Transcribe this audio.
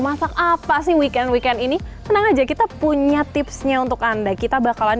masak apa sih weekend weekend ini tenang aja kita punya tipsnya untuk anda kita bakalan